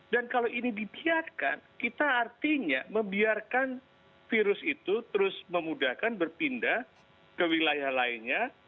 dan kalau ini dibiarkan kita artinya membiarkan virus itu terus memudahkan berpindah ke wilayah lainnya